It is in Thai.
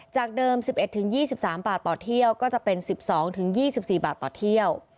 จากเดิม๑๑๒๓บาทต่อเที่ยวก็จะเป็น๑๒๒๔บาทต่อเที่ยว